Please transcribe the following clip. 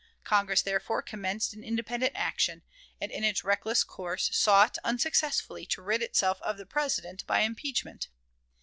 Congress, therefore, commenced an independent action, and in its reckless course sought, unsuccessfully, to rid itself of the President by impeachment.